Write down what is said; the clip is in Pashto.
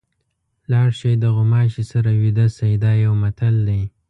لاړ شئ د غوماشي سره ویده شئ دا یو متل دی.